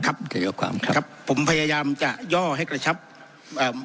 นายกความครับครับผมพยายามจะย่อให้กระชับเอ่อ